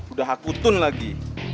udah aku tun lagi